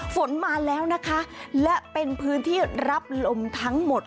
ฝนมาแล้วนะคะและเป็นพื้นที่รับลมทั้งหมด